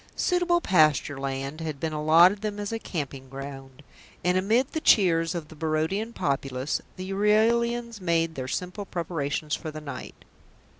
Suitable pasture land had been allotted them as a camping ground, and amid the cheers of the Barodian populace the Euralians made their simple preparations for the night.